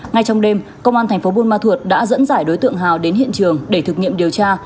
ngay trong đêm công an thành phố buôn ma thuột đã dẫn dải đối tượng hào đến hiện trường để thực nghiệm điều tra